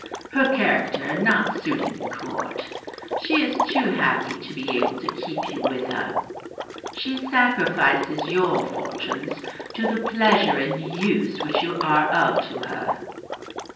Her character not suiting the Court, she is too happy to be able to keep you with her; she sacrifices your fortunes to the pleasure and use which you are of to her."